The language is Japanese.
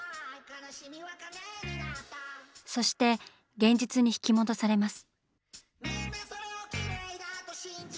そして現実に引き戻されます。